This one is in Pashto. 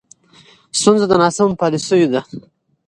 ستونزه د ناسمو پالیسیو ده.